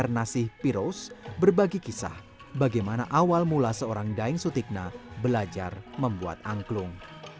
piros berbagi kisah bagaimana awal mula seorang daeng sutikna belajar membuat angklung